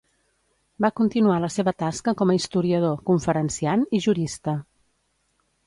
Va continuar la seva tasca com a historiador, conferenciant i jurista.